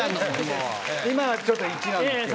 今はちょっと１なんですけど。